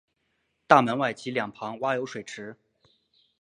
大门外及两旁挖有水池。